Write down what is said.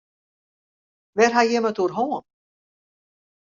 Wêr ha jim it oer hân?